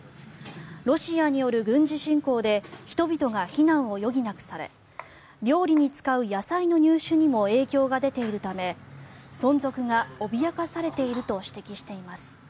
ロシアによる軍事侵攻で人々が避難を余儀なくされ料理に使う野菜の入手にも影響が出ているため存続が脅かされていると指摘しています。